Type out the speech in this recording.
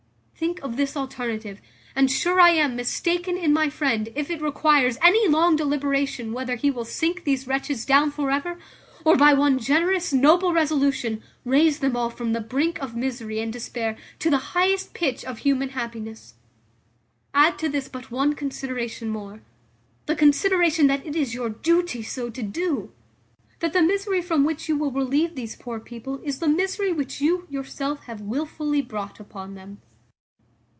Think of this alternative, and sure I am mistaken in my friend if it requires any long deliberation whether he will sink these wretches down for ever, or, by one generous, noble resolution, raise them all from the brink of misery and despair to the highest pitch of human happiness. Add to this but one consideration more; the consideration that it is your duty so to do That the misery from which you will relieve these poor people is the misery which you yourself have wilfully brought upon them."